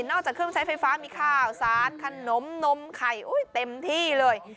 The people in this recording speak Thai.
จากเครื่องใช้ไฟฟ้ามีข้าวสารขนมนมไข่เต็มที่เลย